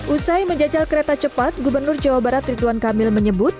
usai menjajal kereta cepat gubernur jawa barat rituan kamil menyebut